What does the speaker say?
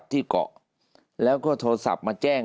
ที่เกาะแล้วก็โทรศัพท์มาแจ้ง